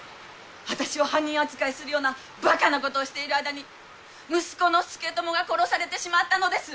私を犯人扱いするようなバカなことをしているあいだに息子の佐智が殺されてしまったのです！